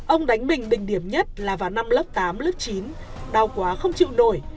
ông đánh mình đỉnh điểm nhất là vào năm lớp tám lớp chín đau quá không chịu nổi